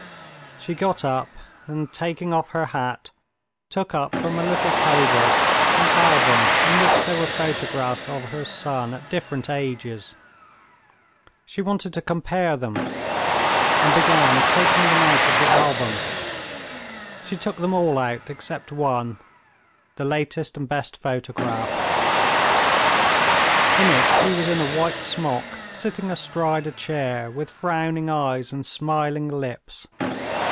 She got up, and, taking off her hat, took up from a little table an album in which there were photographs of her son at different ages. She wanted to compare them, and began taking them out of the album. She took them all out except one, the latest and best photograph. In it he was in a white smock, sitting astride a chair, with frowning eyes and smiling lips.